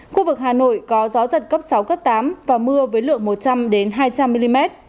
khu vực hà nội có gió giật cấp sáu cấp tám và mưa với lượng một trăm linh hai trăm linh mm